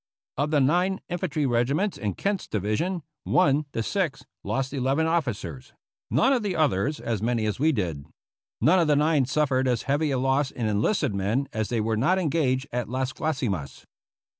Of the nine infantry regiments in Kent's division, one, the Sixth, lost eleven officers ; none of the others as many as we did. None of the nine suffered as heavy a loss in enlisted men, as they were not engaged at Las Guasimas.